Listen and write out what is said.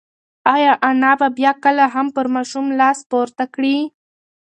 ایا انا به بیا کله هم پر ماشوم لاس پورته کړي؟